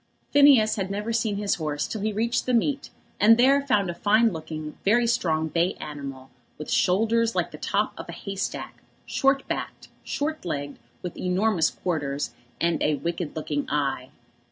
Phineas had never seen his horse till he reached the meet, and there found a fine looking, very strong, bay animal, with shoulders like the top of a hay stack, short backed, short legged, with enormous quarters, and a wicked looking eye.